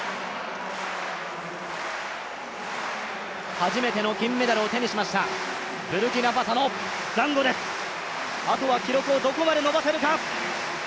初めての金メダルを手にしましたブルキナファソを手にしましたあとは記録をどこまで伸ばせるか。